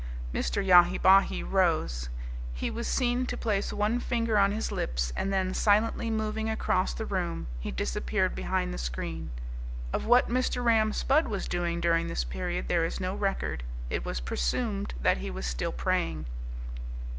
'" Mr. Yahi Bahi rose. He was seen to place one finger on his lips and then, silently moving across the room, he disappeared behind the screen. Of what Mr. Ram Spudd was doing during this period there is no record. It was presumed that he was still praying.